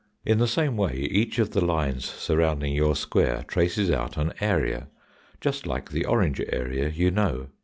In the same way each of the lines surrounding your square traces out an area, just like the orange area you know.